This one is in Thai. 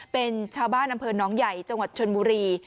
เป็นชาวบ้านอำเภอน้องใหญ่จังหวัดชนบุรี